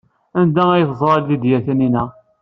Anda ay teẓra Lidya Taninna?